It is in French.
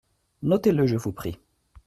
Notez-le ! je vous prie.